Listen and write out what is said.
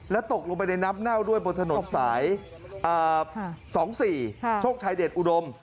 ตกลงไปในน้ำเน่าด้วยบนถนนสาย๒๔โชคชัยเดชอุดม